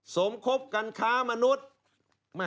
สมคบกันค้ามนุษย์